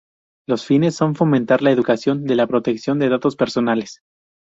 Los fines son fomentar la educación de la Protección de Datos Personales.